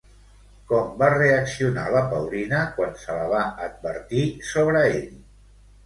Com va reaccionar la Paulina quan se la va advertir sobre ell?